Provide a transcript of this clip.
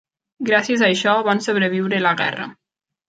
Gràcies a això van sobreviure a la guerra.